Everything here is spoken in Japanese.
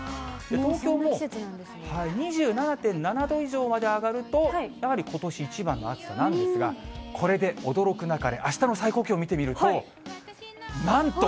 東京も２７．７度以上まで上がると、やはりことし一番の暑さなんですが、これで驚くなかれ、あしたの最高気温見てみると、なんと。